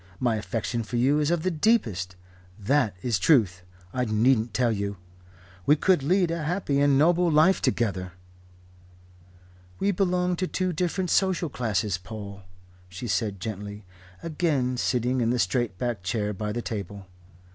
My affection for you is of the deepest. That is Truth I needn't tell you. We could lead a happy and noble life together." "We belong to two different social classes, Paul," she said gently, again sitting in the straight backed chair by the table.